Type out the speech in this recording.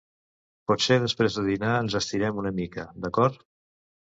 Potser després de dinar ens estirem una mica, d'acord?